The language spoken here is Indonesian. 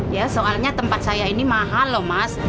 ya soalnya tempat saya ini mahal loh mas